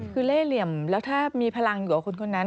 คือเล่เหลี่ยมแล้วถ้ามีพลังอยู่กับคนนั้น